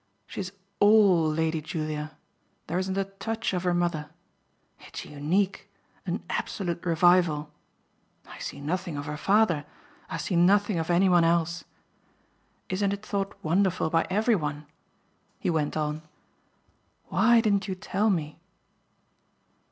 "She's ALL Lady Julia. There isn't a touch of her mother. It's unique an absolute revival. I see nothing of her father, I see nothing of any one else. Isn't it thought wonderful by every one?" he went on. "Why didn't you tell me?"